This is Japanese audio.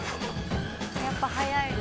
やっぱ早い。